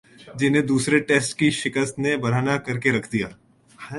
جنہیں دوسرے ٹیسٹ کی شکست نے برہنہ کر کے رکھ دیا